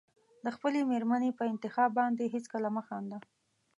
د خپلې مېرمنې په انتخاب باندې هېڅکله مه خانده.